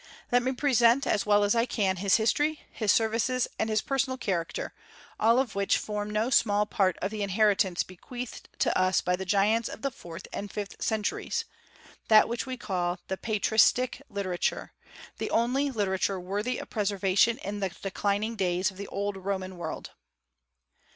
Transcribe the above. Let me present, as well as I can, his history, his services, and his personal character, all of which form no small part of the inheritance bequeathed to us by the giants of the fourth and fifth centuries, that which we call the Patristic literature, the only literature worthy of preservation in the declining days of the old Roman world.